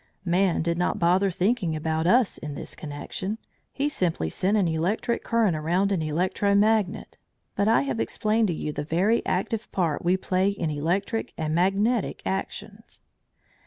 Man did not bother thinking about us in this connection; he simply sent an electric current around an electro magnet, but I have explained to you the very active part we play in electric and magnetic actions.